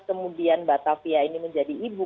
kemudian batavia ini menjadi ibu